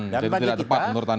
jadi tidak tepat menurut anda